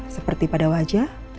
seperti pada wajah